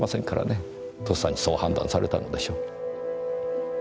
とっさにそう判断されたのでしょう。